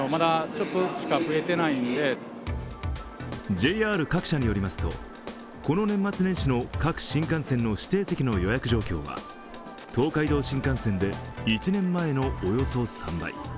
ＪＲ各社によりますと、この年末年始の各新幹線の指定席の予約状況は東海道新幹線で１年前のおよそ３倍。